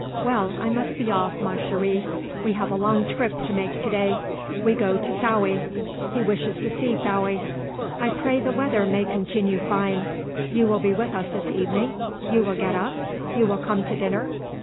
Well, I must be off, ma chérie. We have a long trip to make to day. We go to Fowey. He wishes to see Fowey. I pray the weather may continue fine. You will be with us this evening? You will get up? You will come to dinner?"